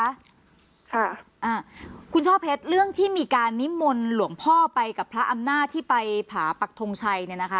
ค่ะอ่าคุณช่อเพชรเรื่องที่มีการนิมนต์หลวงพ่อไปกับพระอำนาจที่ไปผาปักทงชัยเนี่ยนะคะ